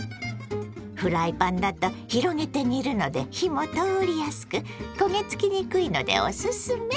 フライパンだと広げて煮るので火も通りやすく焦げ付きにくいのでオススメ。